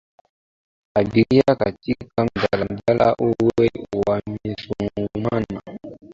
Abiria katika Daladala huwa wamesongamana na hakuna njia ya kutenga nafasi baina yao